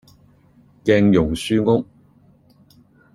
鏡蓉書屋